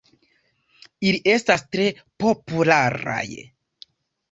Ili estas tre popularaj.